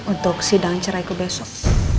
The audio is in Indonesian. untuk sidangan cerai ke besok